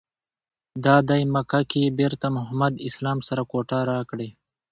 دادی مکه کې یې بېرته محمد اسلام سره کوټه راکړې.